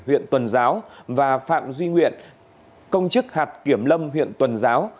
huyện tuần giáo và phạm duy nguyện công chức hạt kiểm lâm huyện tuần giáo